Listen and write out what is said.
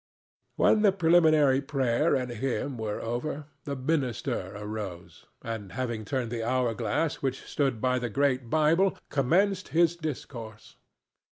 When the preliminary prayer and hymn were over, the minister arose, and, having turned the hour glass which stood by the great Bible, commenced his discourse.